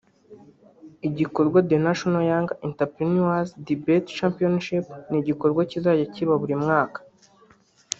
Igikorwa “The National young entrepreneur’s debate championship” ni igikorwa kizajya kiba buri mwaka